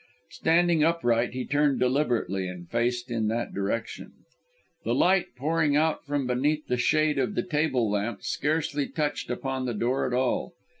Standing upright, he turned deliberately, and faced in that direction. The light pouring out from beneath the shade of the table lamp scarcely touched upon the door at all.